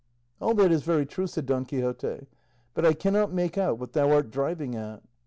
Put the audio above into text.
"All that is very true," said Don Quixote; "but I cannot make out what thou art driving at."